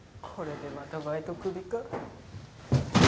これでまたバイト首か。